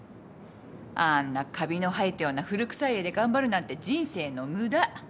あんなカビの生えたような古くさい家で頑張るなんて人生の無駄。